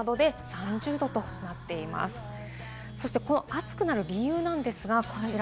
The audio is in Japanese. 暑くなる理由ですが、こちら。